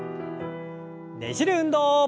ねじる運動。